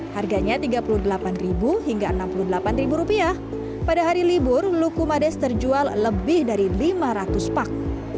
harganya tiga puluh delapan hingga enam puluh delapan rupiah pada hari libur lukumades terjual lebih dari lima ratus pak